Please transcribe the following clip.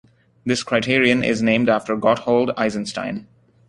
This criterion is named after Gotthold Eisenstein.